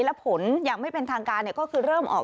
และผลอย่างไม่เป็นทางการก็คือเริ่มออก